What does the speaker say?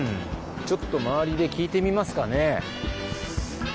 ちょっと周りで聞いてみますかね。